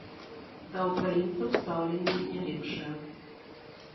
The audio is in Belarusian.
Да ўкраінцаў стаўленне не лепшае.